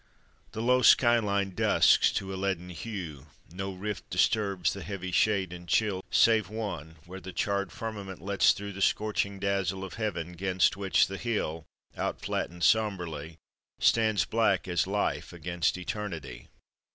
The low sky line dusks to a leaden hue, No rift disturbs the heavy shade and chill, Save one, where the charred firmament lets through The scorching dazzle of Heaven; 'gainst which the hill, Out flattened sombrely, Stands black as life against eternity.